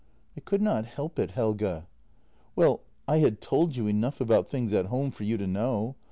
" I could not help it, Helge." " Well — I had told you enough about things at home for you to know.